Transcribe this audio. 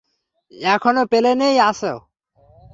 এখনও প্লেনেই আছ?